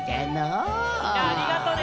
・ありがとね。